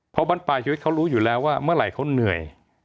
เพราะบ้านปลายชีวิตเขารู้อยู่แล้วว่าเมื่อไหร่เขาเหนื่อย